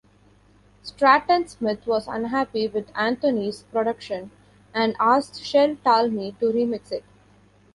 Stratton-Smith was unhappy with Anthony's production and asked Shel Talmy to remix it.